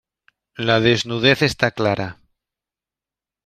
La desnudez está clara.